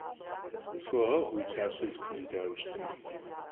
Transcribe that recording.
Khısxueğeğu, vui psalher zepızudaue şıtme.